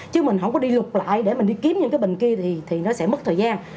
chứ mình không có đi lục lại để mình đi kiếm những cái bình kia thì nó sẽ mất thời gian